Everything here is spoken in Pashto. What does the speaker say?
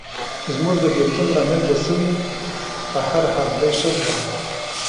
چې زموږ د بېلتون لامل به شوې، په هر حال دی ښه ځوان و.